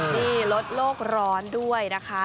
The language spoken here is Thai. นี่ลดโลกร้อนด้วยนะคะ